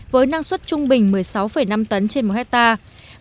với năng suất trung bình một mươi sáu năm tấn trên một hectare